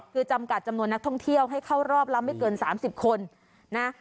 คือจำกัดจำนวนนักท่องเที่ยวให้เข้ารอบละไม่เกิน๓๐คนนะ